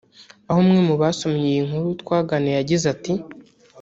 aho umwe mu basomye iyi nkuru twaganiriye yagize ati